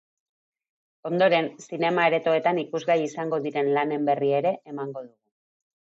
Ondoren, zinema-aretoetan ikusgai izango diren lanen berri ere emango dugu.